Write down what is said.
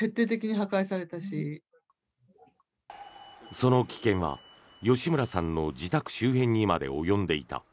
その危険は吉村さんの自宅周辺にまで及んでいた。